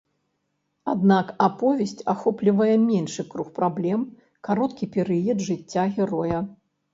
Аднак аповесць ахоплівае меншы круг праблем, кароткі перыяд жыцця героя.